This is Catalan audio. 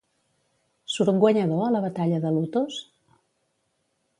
Surt guanyador a la Batalla de Lutos?